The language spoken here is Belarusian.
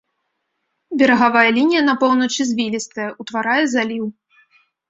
Берагавая лінія на поўначы звілістая, утварае заліў.